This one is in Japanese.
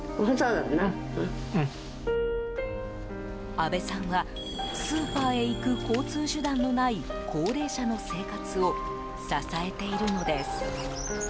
阿部さんはスーパーへ行く交通手段のない高齢者の生活を支えているのです。